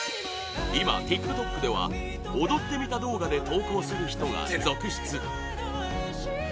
今、ＴｉｋＴｏｋでは踊ってみた動画で投稿する人が続出